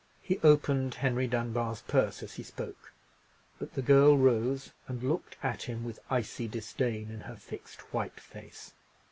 He opened Henry Dunbar's purse as he spoke, but the girl rose and looked at him with icy disdain in her fixed white face.